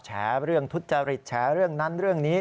แฉเรื่องทุจริตแฉเรื่องนั้นเรื่องนี้